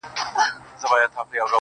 اوس په ځان پوهېږم چي مين يمه~